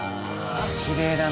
きれいだな。